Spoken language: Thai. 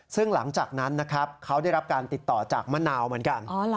ซึ่งหลังจากนั้นนะครับเขาได้รับการติดต่อจากมะนาวเหมือนกัน